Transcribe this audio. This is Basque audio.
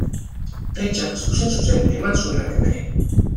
Prentsak zuzen-zuzen eman zuen haren berri.